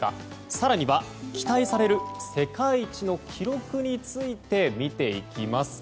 更には期待される世界一の記録について見ていきます。